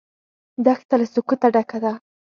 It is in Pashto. دښته له سکوته ډکه ده.